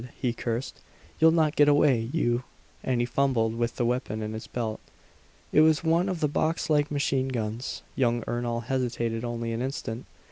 he cursed. "You'll not get away, you " And he fumbled with the weapon in his belt. It was one of the boxlike machine guns. Young Ernol hesitated only an instant.